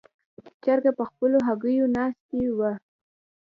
چرګه په خپلو هګیو ناستې وه.